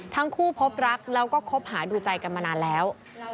ทั้งคู่พบรักแล้วก็คบหาดูใจกันมานานแล้ว